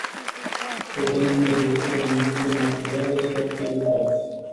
Putem interzice anumite materiale și activități.